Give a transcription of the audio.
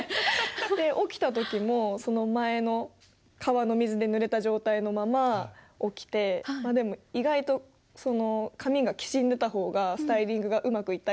起きた時もその前の川の水でぬれた状態のまま起きてでも意外と髪がきしんでた方がスタイリングがうまくいったり。